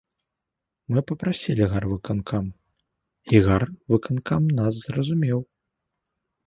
Мы папрасілі гарвыканкам, і гарвыканкам нас зразумеў.